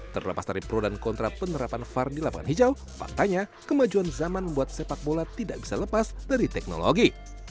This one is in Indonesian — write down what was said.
terlepas dari pro dan kontra penerapan var di lapangan hijau faktanya kemajuan zaman membuat sepak bola tidak bisa lepas dari teknologi